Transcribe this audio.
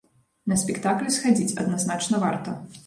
На спектакль схадзіць адназначна варта.